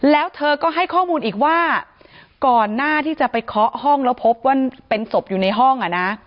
แล้วเธอก็ให้ข้อมูลอีกว่าก่อนหน้าที่จะไปเคาะห้องแล้วพบว่าเป็นศพอยู่ในห้องอ่ะนะ